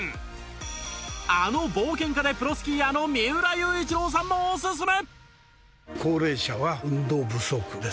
あの冒険家でプロスキーヤーの三浦雄一郎さんもおすすめ！